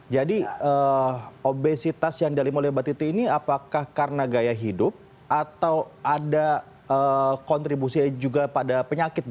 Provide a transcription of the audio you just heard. jadi obesitas yang dali mulia mbak titi ini apakah karena gaya hidup atau ada kontribusi juga pada penyakit misalnya